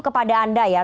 kepada anda ya